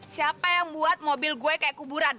siapa yang buat mobil gue kayak kuburan